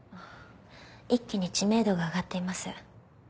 一気に知名度が上がっています。